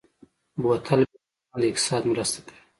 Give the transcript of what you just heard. بوتل بیا کارونه د اقتصاد مرسته کوي.